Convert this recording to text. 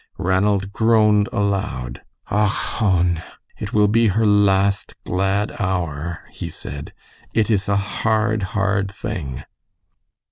Ranald groaned aloud, "Och hone! It will be her last glad hour," he said; "it is a hard, hard thing."